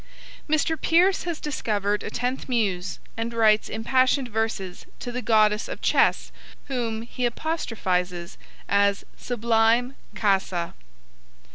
Mr. Pierce has discovered a tenth muse and writes impassioned verses to the Goddess of Chess whom he apostrophises as 'Sublime Caissa'!